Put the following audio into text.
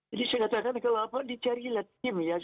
jadi saya katakan kalau apa dicari latim ya